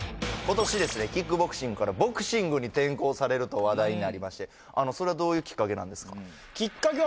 今年キックボクシングからボクシングに転向されると話題になりましてそれはどういうきっかけなんですか？